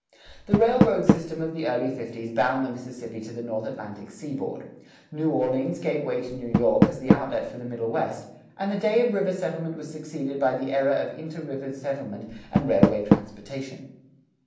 The railroad system of the early fifties bound the Mississippi to the North Atlantic seaboard; New Orleans gave way to New York as the outlet for the Middle West, and the day of river settlement was succeeded by the era of inter river settlement and railway transportation.